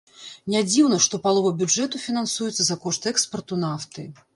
Нядзіўна, што палова бюджэту фінансуецца за кошт экспарту нафты.